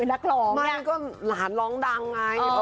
ต่าง